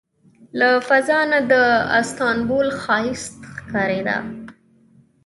له فضا نه د استانبول ښایست ښکارېده.